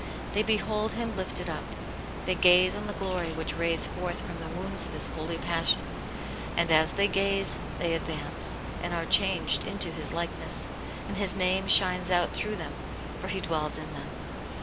They behold Him lifted up — they gaze on the glory which rays forth from the wounds of His holy pas sion; and as they gaze, they advance, and are changed into His likeness, and His name shines out through them, for he dwells in them.